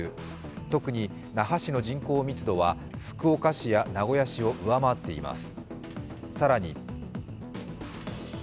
特に那覇市の人口密度は福岡市や名古屋市を上回っています。